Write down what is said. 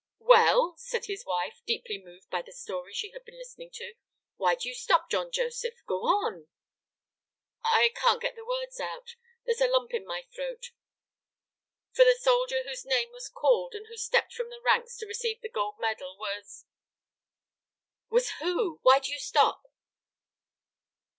"Well," said his wife, deeply moved by the story she had been listening to, "why do you stop, John Joseph? Go on." "I can't get the words out, there's a lump in my throat; for the soldier whose name was called and who stepped from the ranks to receive the gold medal was " "Was who? Why do you stop?"